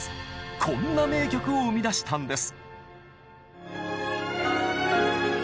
こんな名曲を生み出したんです！